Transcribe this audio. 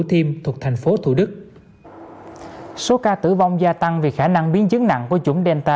tiêm thuộc thành phố thủ đức số ca tử vong gia tăng vì khả năng biến chứng nặng của chủng delta